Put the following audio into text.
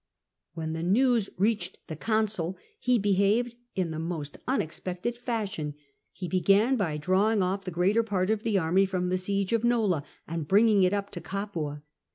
When the news reached the consul he behaved in the most unexpected fashion. He began by drawing off the greater part of his army from the siege of Nola and bringing it up to Capua.